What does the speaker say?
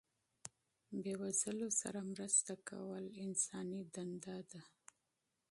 بې وزلو سره مرسته کول انساني دنده ده.